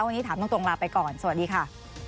วันนี้ถามตรงลาไปก่อนสวัสดีค่ะ